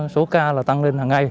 số ca tăng lên hằng ngày